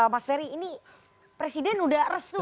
mas ferry ini presiden sudah restu